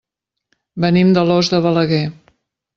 Venim d'Alòs de Balaguer.